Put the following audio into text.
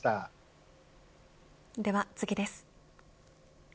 では次です。